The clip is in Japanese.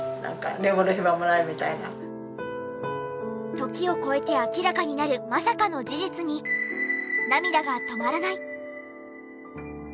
時を越えて明らかになるまさかの事実に涙が止まらない。